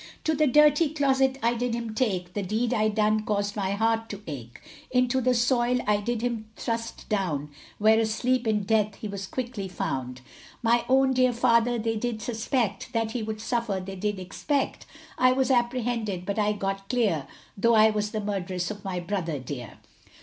To the dirty closet I did him take, The deed I done caus'd my heart to ache, Into the soil I did him thrust down, Where asleep in death he was quickly found. My own dear father they did suspect, That he would suffer they did expect, I was apprehended, but I got clear, Tho' I was the murderess of my brother dear.